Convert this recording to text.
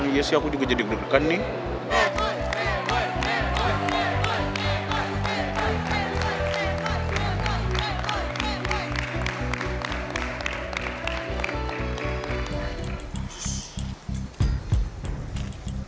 ya sih aku juga jadi deg degan nih